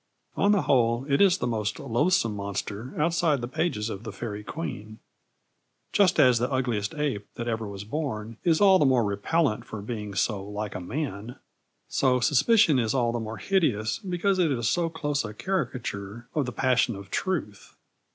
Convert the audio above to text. On the whole, it is the most loathsome monster outside the pages of The Faërie Queene. Just as the ugliest ape that ever was born is all the more repellent for being so like a man, so suspicion is all the more hideous because it is so close a caricature of the passion for truth.